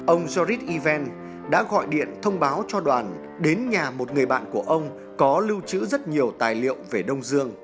ông jorrit iven đã gọi điện thông báo cho đoàn đến nhà một người bạn của ông có lưu trữ rất nhiều tài liệu về đông dương